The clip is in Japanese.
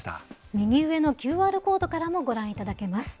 右上のＱＲコードからもご覧いただけます。